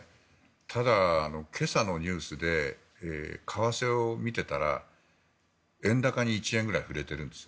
ただ、今朝のニュースで為替を見ていたら円高に１円ぐらい振れているんです。